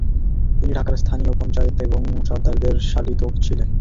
তিনি ঢাকার স্থানীয় পঞ্চায়েত প্রধান সর্দারদের সালিস ছিলেন।